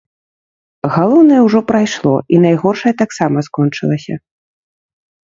Галоўнае ўжо прайшло, і найгоршае таксама скончылася.